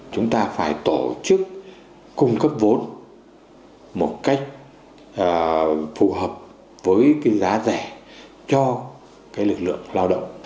chúng ta phải tổ chức cung cấp vốn một cách phù hợp với cái giá rẻ cho cái lực lượng lao động